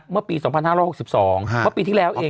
เมื่อปี๒๕๖๒เมื่อปีที่แล้วเอง